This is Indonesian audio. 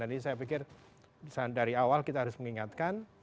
jadi saya pikir dari awal kita harus mengingatkan